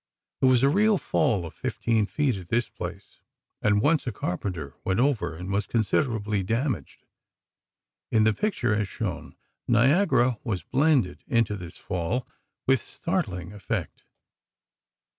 There was a real fall of fifteen feet at this place, and once, a carpenter went over and was considerably damaged. In the picture, as shown, Niagara was blended into this fall, with startling effect.